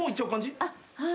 あっはい。